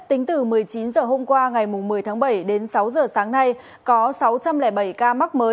tính từ một mươi chín h hôm qua ngày một mươi tháng bảy đến sáu giờ sáng nay có sáu trăm linh bảy ca mắc mới